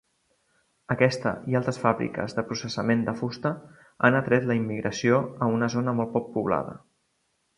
Aquesta i altres fàbriques de processament de fusta han atret la immigració a una zona molt poc poblada.